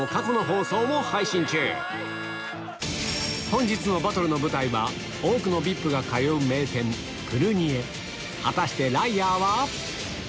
本日のバトルの舞台は多くのＶＩＰが通う名店果たしてライアーは？